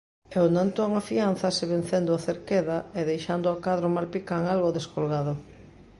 E o Nantón afiánzase vencendo o Cerqueda e deixando ao cadro malpicán algo descolgado.